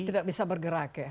tidak bisa bergerak ya